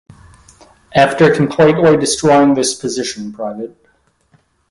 After completely destroying this position, Pvt.